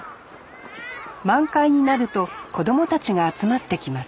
満開になると子どもたちが集まってきます